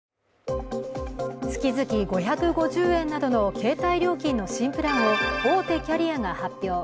月々５５０円などの携帯料金の新プランを大手キャリアが発表。